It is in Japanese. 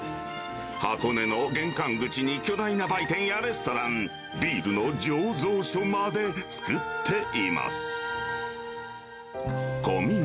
箱根の玄関口に巨大な売店やレストラン、ビールの醸造所まで作っています。